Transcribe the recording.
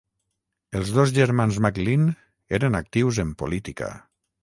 Els dos germans McLean eren actius en política.